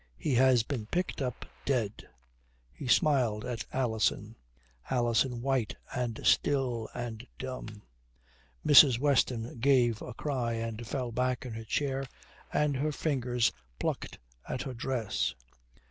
He has been picked up dead." He smiled at Alison, Alison white and still and dumb. Mrs. Weston gave a cry and fell back in her chair and her fingers plucked at her dress.